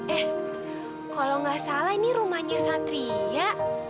eh kalau nggak salah ini rumahnya satria